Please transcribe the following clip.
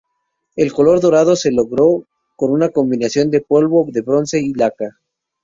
El color dorado se logró con una combinación de polvo de bronce y laca.